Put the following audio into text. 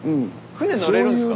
舟乗れるんすか？